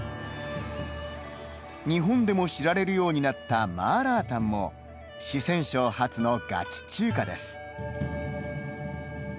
日本でも知られるようになった麻辣タンも四川省発のガチ中華です。